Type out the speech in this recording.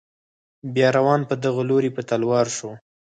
بیا روان په دغه لوري په تلوار شو.